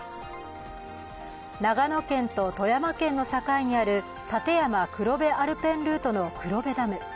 長野県と富山県の境にある立山黒部アルペンルートの黒部ダム。